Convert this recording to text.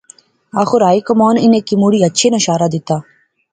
آخر ہائی کمان انیں کی مڑی اچھے ناں شارہ دتا